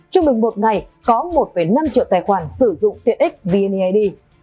trung bình một ngày có một năm triệu tài khoản sử dụng tiện ích vned